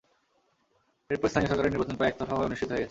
এরপর স্থানীয় সরকারের নির্বাচন প্রায় একতরফাভাবে অনুষ্ঠিত হয়ে গেছে।